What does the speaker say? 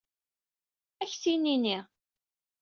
Ad ak-t-nini.